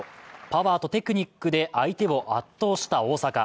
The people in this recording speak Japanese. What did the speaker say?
パワーとテクニックで相手を圧倒した大坂。